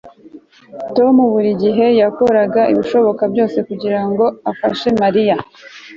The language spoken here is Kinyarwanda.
Tom buri gihe yakoraga ibishoboka byose kugirango afashe Mariya